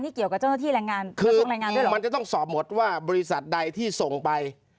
นี่เกี่ยวกับเจ้าหน้าที่แรงงานคือมันจะต้องสอบหมดว่าบริษัทใดที่ส่งไป